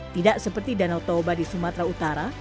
tidak seperti danau toba di sumatera utara